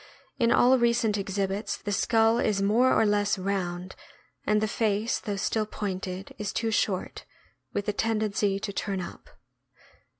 In all recent exhibits the skull is more or less round, and the face, though still pointed, is too short, with a tendency to turn up.